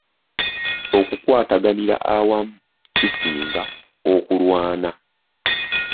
Okukwataganira awamu kisinga okulwana.